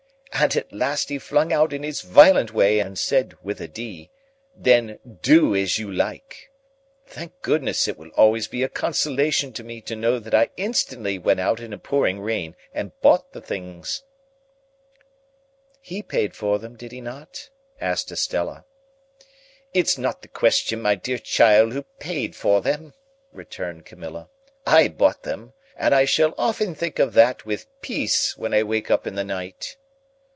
And at last he flung out in his violent way, and said, with a D, 'Then do as you like.' Thank Goodness it will always be a consolation to me to know that I instantly went out in a pouring rain and bought the things." "He paid for them, did he not?" asked Estella. "It's not the question, my dear child, who paid for them," returned Camilla. "I bought them. And I shall often think of that with peace, when I wake up in the night."